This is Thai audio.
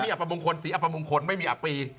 ไม่มีอับปรีสีอับปมงคลไม่มีอับปรี